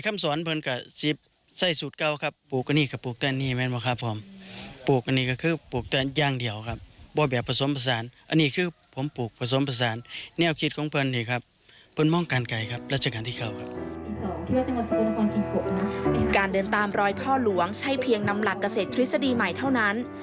มีการเดินตามรอยพ่อหลวงใช่เพียงนำหลักเกษตรทฤษฎีใหม่เท่านั้น